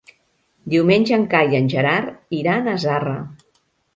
Diumenge en Cai i en Gerard iran a Zarra.